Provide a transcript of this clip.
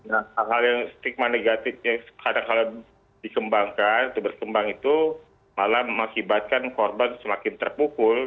nah hal hal yang stigma negatif yang kadang kadang dikembangkan atau berkembang itu malah mengakibatkan korban semakin terpukul